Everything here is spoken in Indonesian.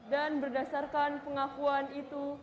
dan berdasarkan pengakuan itu